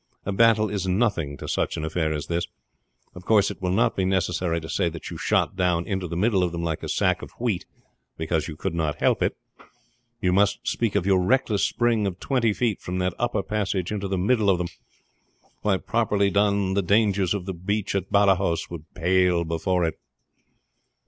A battle is nothing to such an affair as this. Of course it will not be necessary to say that you shot down into the middle of them like a sack of wheat because you could not help it. You must speak of your reckless spring of twenty feet from that upper passage into the middle of them. Why, properly told, the dangers of the breach at Badajos would pale before it."